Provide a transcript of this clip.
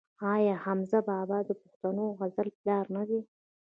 آیا حمزه بابا د پښتو غزل پلار نه دی؟